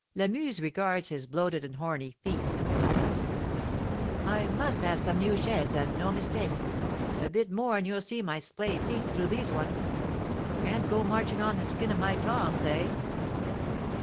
Lamuse regards his bloated and horny feet "I must have some new sheds, and no mistake; a bit more and you'll see my splay feet through these ones. Can't go marching on the skin of my tongs, eh?"